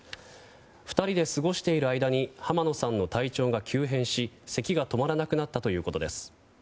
２人で過ごしている間に浜野さんの体調が急変し、せきが止まらなくなったということです。